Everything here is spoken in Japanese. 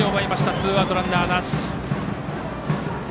ツーアウトランナーなし。